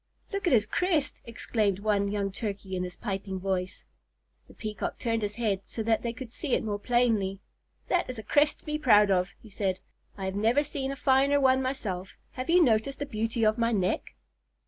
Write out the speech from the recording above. "Look at his crest!" exclaimed one young Turkey in his piping voice. The Peacock turned his head so that they could see it more plainly. "That is a crest to be proud of," he said. "I have never seen a finer one myself. Have you noticed the beauty of my neck?"